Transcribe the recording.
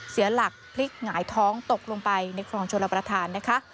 เสียหลักพลิกหงายท้องตกลงไปในคลองชลประธานนะคะ